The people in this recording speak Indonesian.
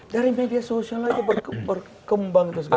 dari media sosial aja berkembang itu segala macam